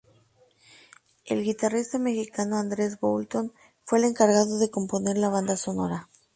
El guitarrista mexicano Andres Boulton fue el encargado de componer la banda sonora.